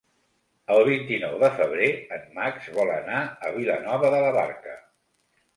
El vint-i-nou de febrer en Max vol anar a Vilanova de la Barca.